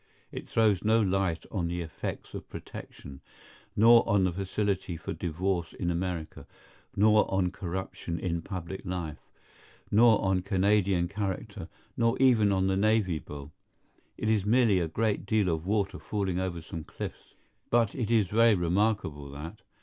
It throws no light on the effects of Protection, nor on the Facility for Divorce in America, nor on Corruption in Public Life, nor on Canadian character, nor even on the Navy Bill. It is merely a great deal of water falling over some cliffs. But it is very remarkably that.